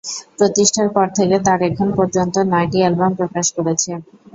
প্রতিষ্ঠার পর থেকে তার এখন পর্যন্ত নয়টি অ্যালবাম প্রকাশ করেছে।